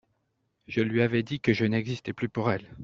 Je lui avais dit que je n'existais plus pour elle.